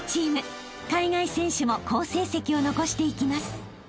［海外選手も好成績を残していきます］